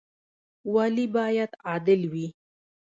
والي باید عادل وي